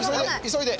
急いで！